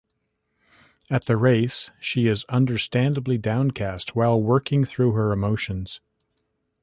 At the race she is understandably downcast while working through her emotions.